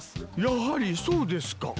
やはりそうですか。